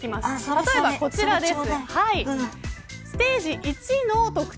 例えばこちらです。